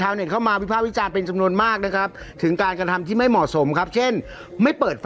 หรือว่าเม็ดใส่อยู่บนรถอะอย่างงี้ไม่เข้าใจ